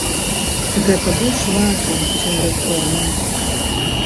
Гэта больш важна, чым рэформы.